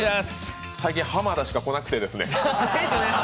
最近、濱田しか来なくてですね。